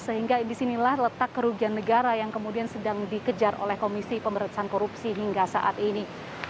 sehingga disinilah letak kerugian negara yang kemudian sedang dikejar oleh komisi pemerintahan korupsi hingga saat ini